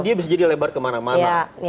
dia bisa jadi lebar kemana mana